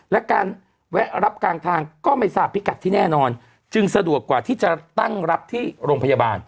และการแวะรับกลางทางก็ไม่ทราบพิกัดที่แน่นอนจึงสะดวกกว่าที่จะตั้งรับที่โรงพยาบาล